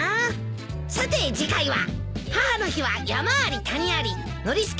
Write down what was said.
さて次回は。